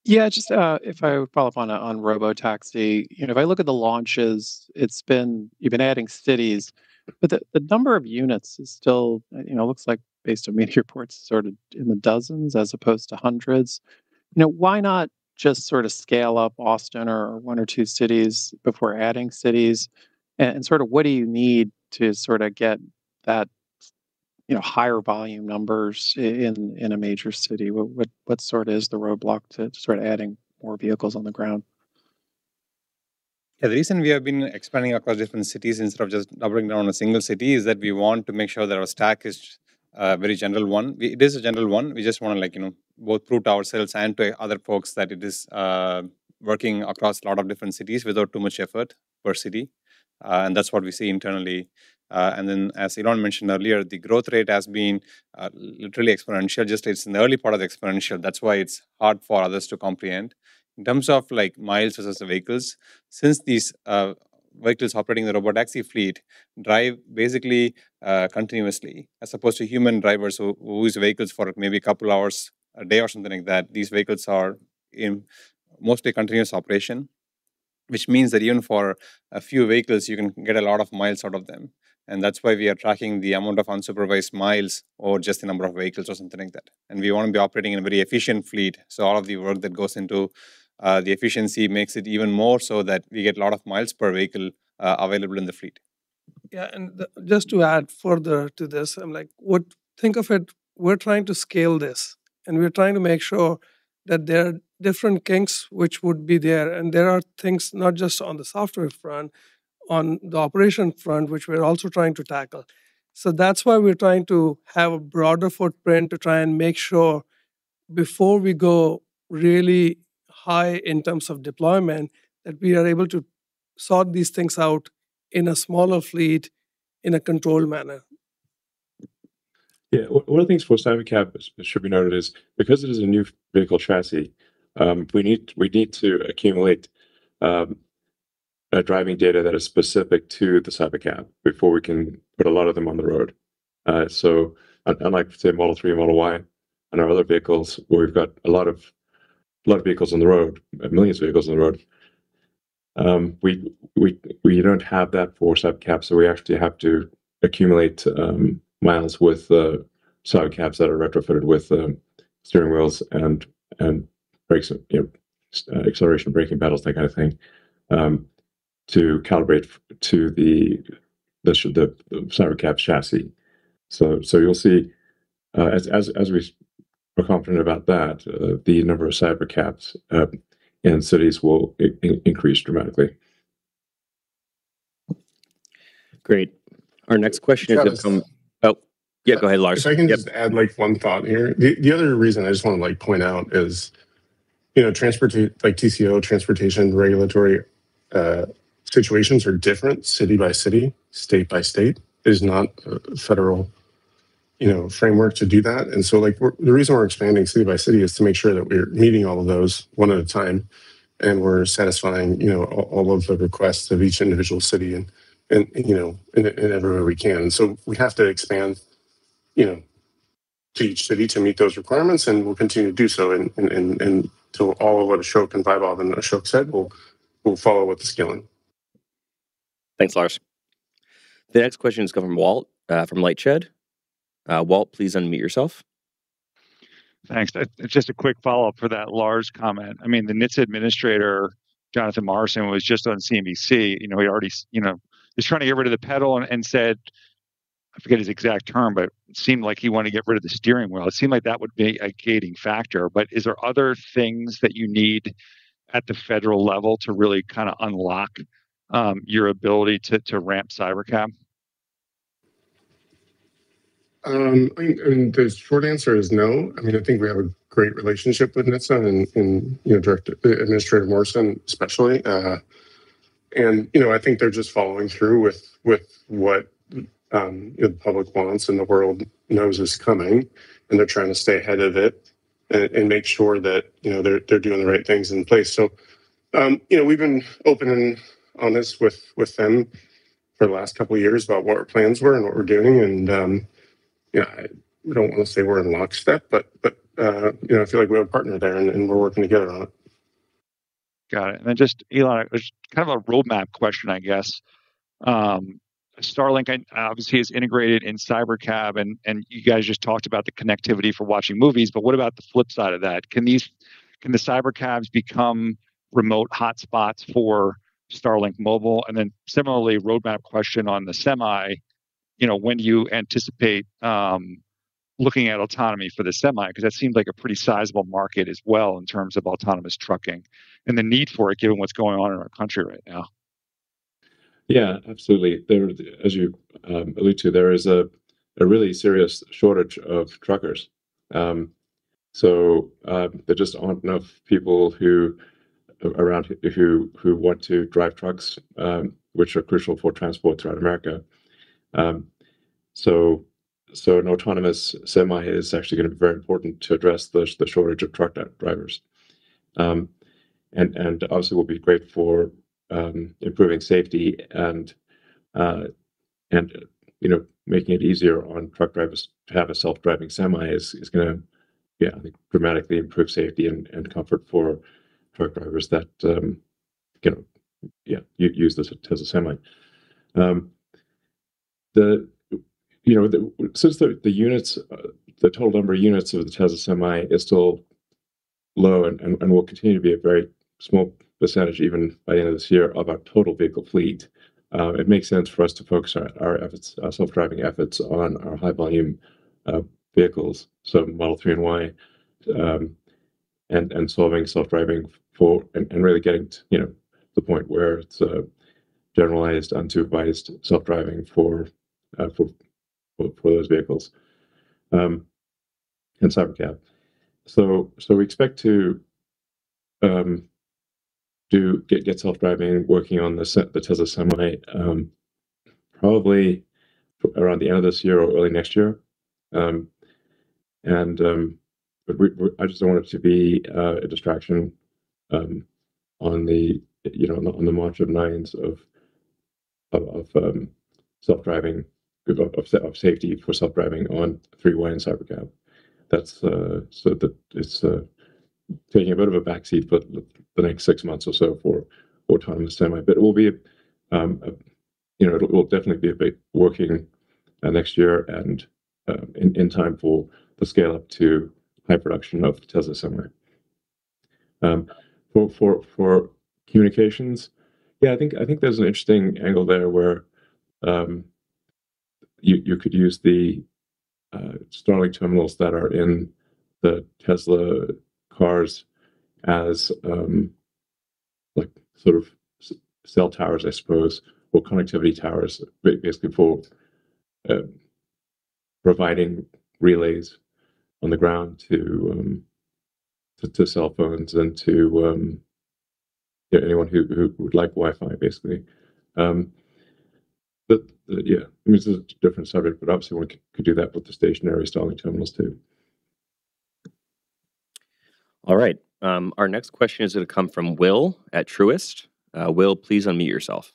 Yeah, just if I follow up on Robotaxi. If I look at the launches, you've been adding cities, the number of units is still, it looks like based on media reports, sort of in the dozens as opposed to hundreds. Why not just sort of scale up Austin or one or two cities before adding cities, what do you need to sort of get that higher volume numbers in a major city? What sort is the roadblock to start adding more vehicles on the ground? Yeah. The reason we have been expanding across different cities instead of just doubling down on a single city, is that we want to make sure that our stack is a very general one. It is a general one. We just want to both prove to ourselves and to other folks that it is working across a lot of different cities without too much effort per city. That's what we see internally. As Elon mentioned earlier, the growth rate has been literally exponential, just it's in the early part of the exponential. That's why it's hard for others to comprehend. In terms of miles versus vehicles, since these vehicles operating the Robotaxi fleet drive basically continuously as opposed to human drivers who use vehicles for maybe a couple of hours a day or something like that. These vehicles are in mostly continuous operation, which means that even for a few vehicles, you can get a lot of miles out of them, that's why we are tracking the amount of unsupervised miles or just the number of vehicles or something like that. We want to be operating in a very efficient fleet, so all of the work that goes into the efficiency makes it even more so that we get a lot of miles per vehicle available in the fleet. Yeah, just to add further to this. Think of it, we're trying to scale this, and we're trying to make sure that there are different kinks which would be there, and there are things not just on the software front, on the operation front, which we're also trying to tackle. That's why we're trying to have a broader footprint to try and make sure before we go really high in terms of deployment, that we are able to sort these things out in a smaller fleet in a controlled manner. Yeah. One of the things for Cybercab that should be noted is because it is a new vehicle chassis, we need to accumulate driving data that is specific to the Cybercab before we can put a lot of them on the road. Unlike, say, Model three and Model Y and our other vehicles where we've got a lot of vehicles on the road, millions of vehicles on the road, we don't have that for Cybercabs. We actually have to accumulate miles with Cybercabs that are retrofitted with steering wheels and acceleration, braking pedals, that kind of thing, to calibrate to the Cybercab chassis. You'll see as we are confident about that, the number of Cybercabs in cities will increase dramatically. Great. Our next question is from- Travis. Oh, yeah. Go ahead, Lars. If I can just add one thought here. The other reason I just want to point out is TCO, transportation regulatory situations are different city by city, state by state. There's not a federal framework to do that. The reason we're expanding city by city is to make sure that we're meeting all of those one at a time and we're satisfying all of the requests of each individual city and in every way we can. We have to expand to each city to meet those requirements, and we'll continue to do so until all of what Ashok and Vaibhav and Ashok said, we'll follow with the scaling. Thanks, Lars. The next question is coming from Walt, from LightShed. Walt, please unmute yourself. Thanks. Just a quick follow-up for that Lars comment. The NHTSA Administrator, Jonathan Morrison, was just on CNBC. He already is trying to get rid of the pedal and said, I forget his exact term, but it seemed like he wanted to get rid of the steering wheel. It seemed like that would be a gating factor, is there other things that you need at the federal level to really unlock your ability to ramp Cybercab? The short answer is no. I think we have a great relationship with NHTSA and Administrator Morrison especially. I think they're just following through with what the public wants, and the world knows is coming, and they're trying to stay ahead of it and make sure that they're doing the right things in place. We've been open and honest with them for the last couple of years about what our plans were and what we're doing, and I don't want to say we're in lockstep, but I feel like we have a partner there, and we're working together on it. Got it. Elon, just a roadmap question, I guess. Starlink obviously is integrated in Cybercab, and you guys just talked about the connectivity for watching movies, but what about the flip side of that? Can the Cybercabs become remote hotspots for Starlink Mobile? Similarly, roadmap question on the Semi, when do you anticipate looking at autonomy for the Semi? That seems like a pretty sizable market as well in terms of autonomous trucking and the need for it given what's going on in our country right now. Yeah, absolutely. As you allude to, there is a really serious shortage of truckers. There just aren't enough people around who want to drive trucks, which are crucial for transport throughout America. An autonomous Semi is actually going to be very important to address the shortage of truck drivers. Obviously will be great for improving safety, and making it easier on truck drivers to have a self-driving Semi is going to dramatically improve safety and comfort for truck drivers that use the Tesla Semi. Since the total number of units of the Tesla Semi is still low, and will continue to be a very small percentage, even by the end of this year, of our total vehicle fleet. It makes sense for us to focus our self-driving efforts on our high-volume vehicles. Model three and Y, and solving self-driving for, and really getting to the point where it's generalized, unsupervised self-driving for those vehicles, and Cybercab. We expect to get self-driving working on the Tesla Semi probably around the end of this year or early next year. I just don't want it to be a distraction on the march of nines of safety for self-driving on three, Y, and Cybercab. It's taking a bit of a backseat for the next six months or so for autonomous Semi. It will definitely be working next year and in time for the scale-up to high production of the Tesla Semi. For communications, I think there's an interesting angle there where you could use the Starlink terminals that are in the Tesla cars as cell towers, I suppose, or connectivity towers for providing relays on the ground to cell phones and to anyone who would like Wi-Fi. This is a different subject, but obviously one could do that with the stationary Starlink terminals, too. Our next question is going to come from Will at Truist. Will, please unmute yourself.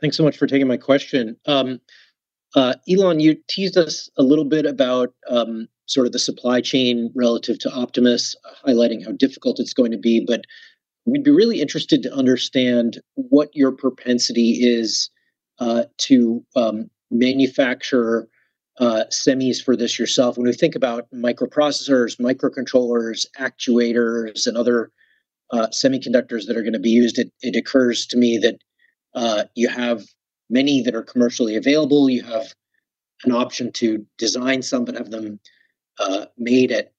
Thanks so much for taking my question. Elon, you teased us a little bit about the supply chain relative to Optimus, highlighting how difficult it's going to be, we'd be really interested to understand what your propensity is to manufacture semis for this yourself. When we think about microprocessors, microcontrollers, actuators, and other semiconductors that are going to be used, it occurs to me that you have many that are commercially available. You have an option to design some, but have them made at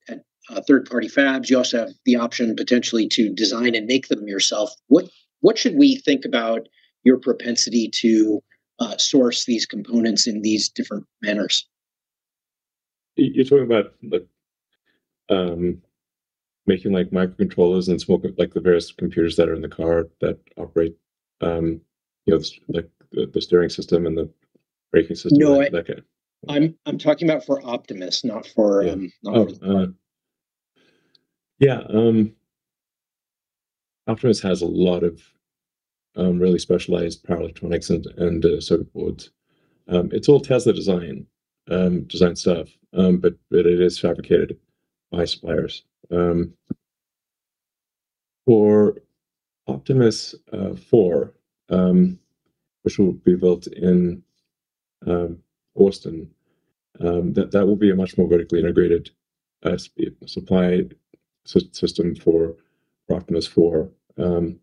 third-party fabs. You also have the option, potentially, to design and make them yourself. What should we think about your propensity to source these components in these different manners? You're talking about making microcontrollers and the various computers that are in the car that operate the steering system and the braking system and all that kind of. No. I'm talking about for Optimus, not for. Yeah. Oh. Yeah. Optimus has a lot of really specialized power electronics and circuit boards. It's all Tesla design stuff, but it is fabricated by suppliers. For Optimus four, which will be built in Austin, that will be a much more vertically integrated supply system for Optimus four. That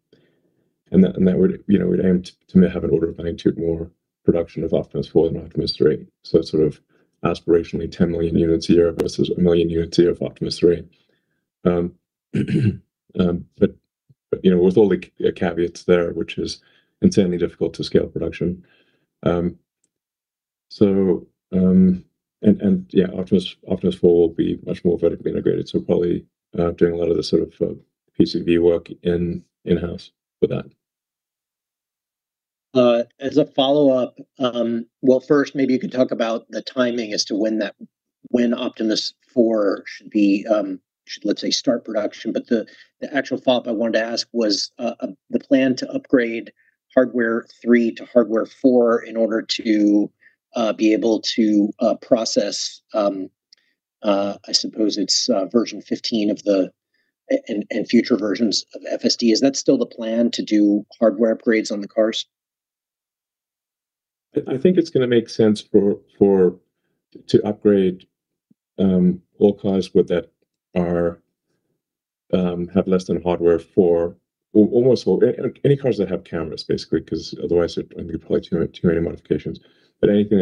would aim to have an order of magnitude more production of Optimus four than Optimus three. Sort of aspirationally 10 million units a year versus 1 million units a year of Optimus three. With all the caveats there, which is insanely difficult to scale production. Yeah, Optimus four will be much more vertically integrated, so probably doing a lot of the sort of PCB work in-house for that. As a follow-up. Well, first, maybe you could talk about the timing as to when Optimus four should, let's say, start production. The actual follow-up I wanted to ask was the plan to upgrade Hardware three to Hardware four in order to be able to process, I suppose it's Version 15 and future versions of FSD. Is that still the plan to do hardware upgrades on the cars? I think it's going to make sense to upgrade all cars that have less than Hardware four. Any cars that have cameras, basically, because otherwise it would be probably too many modifications. Anything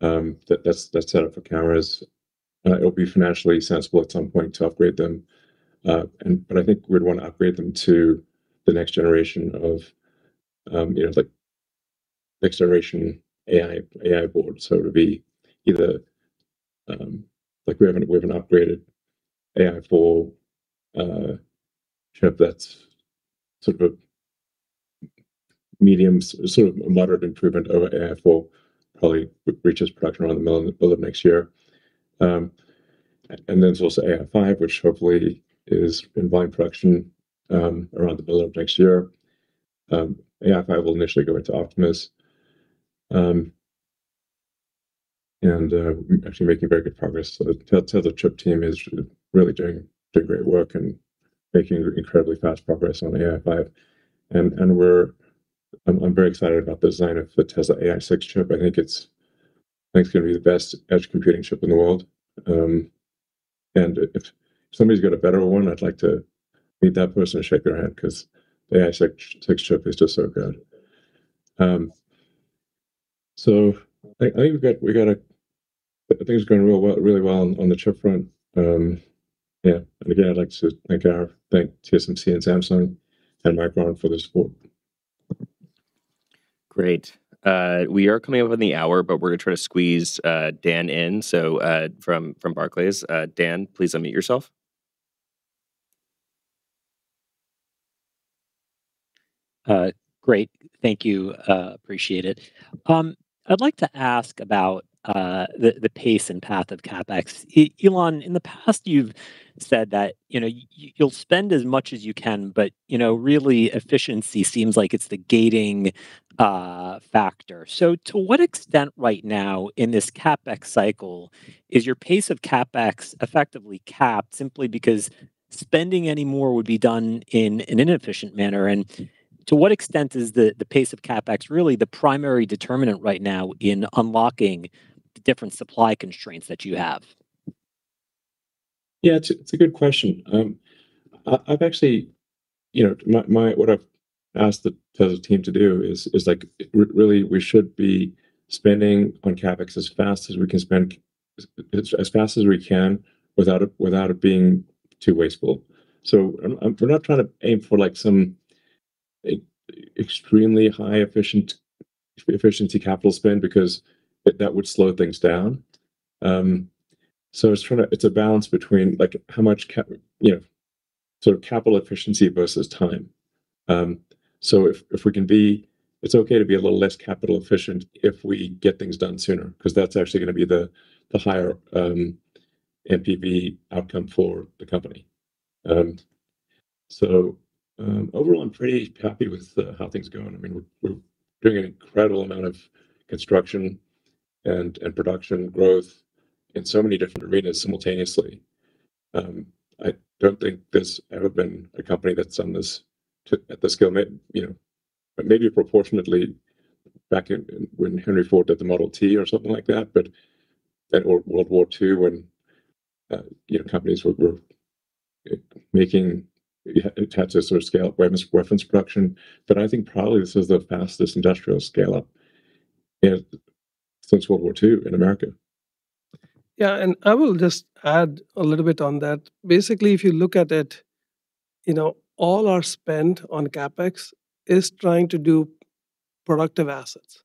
that's set up for cameras, it'll be financially sensible at some point to upgrade them. I think we'd want to upgrade them to the next generation of AI board. It'll be either-- We have an upgraded AI4 chip that's a moderate improvement over AI4, probably reaches production around the middle of next year. We'll say AI5, which hopefully is in volume production around the middle of next year. AI5 will initially go into Optimus. We're actually making very good progress. The Tesla chip team is really doing great work and making incredibly fast progress on AI5. I'm very excited about the design of the Tesla AI6 chip. I think it's going to be the best edge computing chip in the world. If somebody's got a better one, I'd like to meet that person and shake their hand because the AI6 chip is just so good. I think things are going really well on the chip front. Yeah. Again, I'd like to thank TSMC and Samsung, and Micron for their support. Great. We are coming up on the hour, but we're going to try to squeeze Dan in, from Barclays. Dan, please unmute yourself. Great. Thank you, appreciate it. I'd like to ask about the pace and path of CapEx. Elon, in the past, you've said that you'll spend as much as you can, but really efficiency seems like it's the gating factor. To what extent right now in this CapEx cycle is your pace of CapEx effectively capped simply because spending any more would be done in an inefficient manner? To what extent is the pace of CapEx really the primary determinant right now in unlocking the different supply constraints that you have? Yeah, it's a good question. What I've asked the Tesla team to do is really, we should be spending on CapEx as fast as we can without it being too wasteful. We're not trying to aim for some extremely high efficiency capital spend, because that would slow things down. It's a balance between capital efficiency versus time. It's okay to be a little less capital efficient if we get things done sooner, because that's actually going to be the higher NPV outcome for the company. Overall, I'm pretty happy with how things are going. We're doing an incredible amount of construction and production growth in so many different arenas simultaneously. I don't think there's ever been a company that's done this at the scale, maybe proportionately back when Henry Ford did the Model T or something like that, or World War II, when companies were making attempts to sort of scale up weapons production. I think probably this is the fastest industrial scale-up since World War II in America. Yeah, I will just add a little bit on that. Basically, if you look at it, all our spend on CapEx is trying to do productive assets,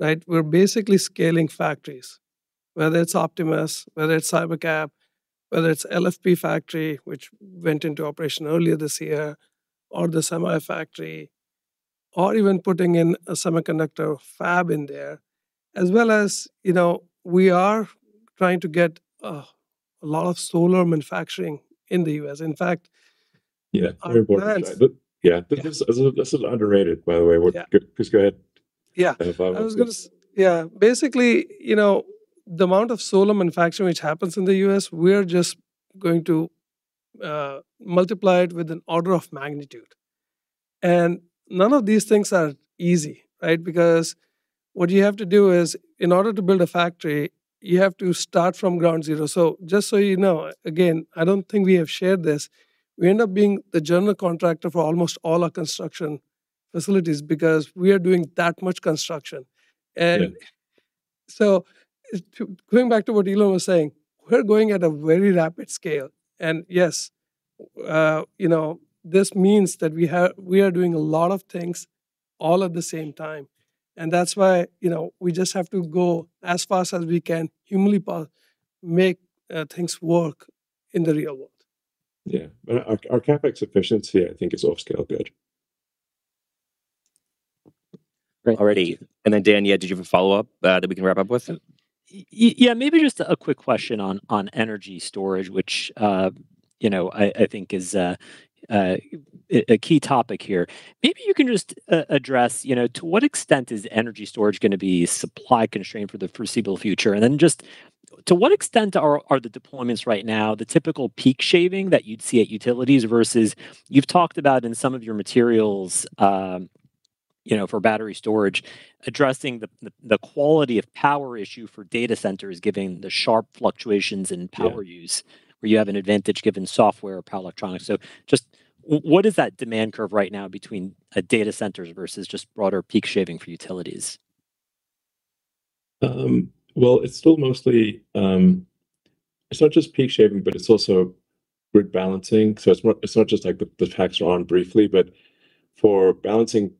right? We're basically scaling factories, whether it's Optimus, whether it's Cybercab, whether it's LFP factory, which went into operation earlier this year, or the Semi factory, or even putting in a semiconductor fab in there. As well as, we are trying to get a lot of solar manufacturing in the U.S. Yeah, very important to try. That's- Yeah. This is underrated, by the way. Yeah. Please go ahead. Yeah. If I was going to- Yeah. Basically, the amount of solar manufacturing which happens in the U.S., we are just going to multiply it with an order of magnitude. None of these things are easy, right? What you have to do is in order to build a factory, you have to start from ground zero. Just so you know, again, I don't think we have shared this, we end up being the general contractor for almost all our construction facilities because we are doing that much construction. Yeah. Going back to what Elon was saying, we're going at a very rapid scale. Yes, this means that we are doing a lot of things all at the same time. That's why we just have to go as fast as we can, humanly possible, make things work in the real world. Our CapEx efficiency, I think, is off-scale good. All righty. Dan, yeah, did you have a follow-up that we can wrap up with? Maybe just a quick question on energy storage, which I think is a key topic here. Maybe you can just address to what extent is energy storage going to be supply constrained for the foreseeable future? Just to what extent are the deployments right now the typical peak shaving that you'd see at utilities versus you've talked about in some of your materials for battery storage, addressing the quality of power issue for data centers, given the sharp fluctuations in power use. Yeah where you have an advantage given software or power electronics. Just what is that demand curve right now between data centers versus broader peak shaving for utilities? Well, it's not just peak shaving, but it's also grid balancing. It's not just like the packs are on briefly, but for balancing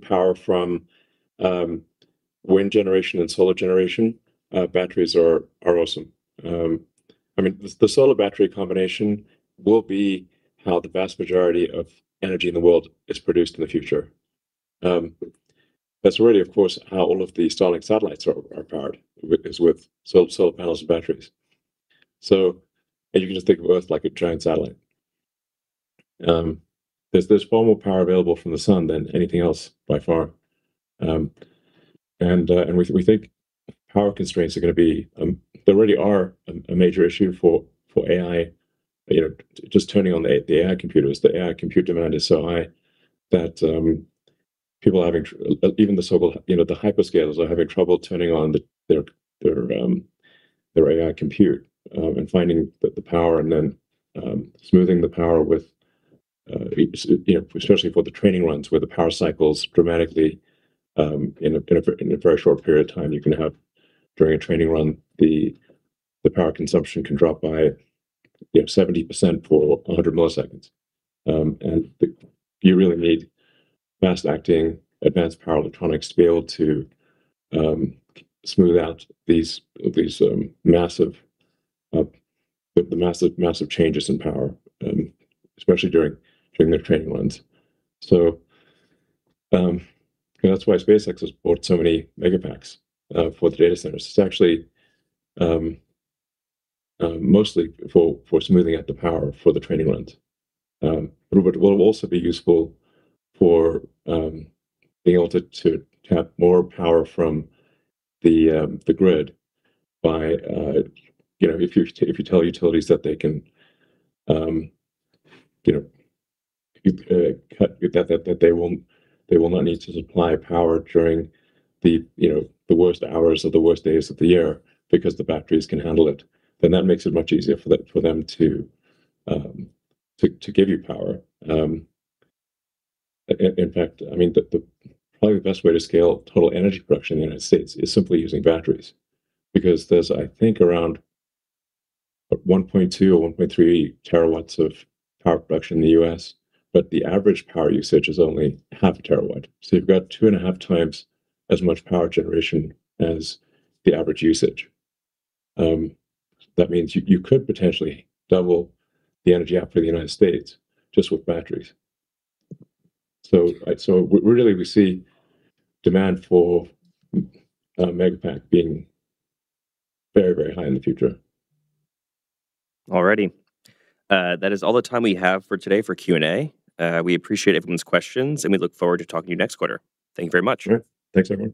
power from wind generation and solar generation, batteries are awesome. The solar battery combination will be how the vast majority of energy in the world is produced in the future. That's really, of course, how all of the Starlink satellites are powered, is with solar panels and batteries. You can just think of Earth like a giant satellite. There's far more power available from the sun than anything else, by far. We think power constraints are going to be, they already are a major issue for AI. Just turning on the AI computers, the AI compute demand is so high that even the hyperscalers are having trouble turning on their AI compute and finding the power, and then smoothing the power, especially for the training runs where the power cycles dramatically in a very short period of time. You can have, during a training run, the power consumption can drop by 70% for 100 milliseconds. You really need fast-acting, advanced power electronics to be able to smooth out the massive changes in power, especially during their training runs. That's why SpaceX has bought so many Megapacks for the data centers. It's actually mostly for smoothing out the power for the training runs. Will also be useful for being able to tap more power from the grid by, if you tell utilities that they will not need to supply power during the worst hours or the worst days of the year because the batteries can handle it, then that makes it much easier for them to give you power. In fact, probably the best way to scale total energy production in the United States is simply using batteries. Because there's, I think, around 1.2 or 1.3 terawatts of power production in the U.S., but the average power usage is only half a terawatt. You've got two and a half times as much power generation as the average usage. That means you could potentially double the energy output of the United States just with batteries. Really we see demand for Megapack being very, very high in the future. All righty. That is all the time we have for today for Q&A. We appreciate everyone's questions, and we look forward to talking to you next quarter. Thank you very much. All right. Thanks, everyone.